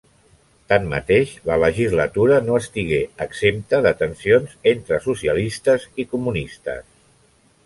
Tanmateix, la legislatura no estigué exempta de tensions entre socialistes i comunistes.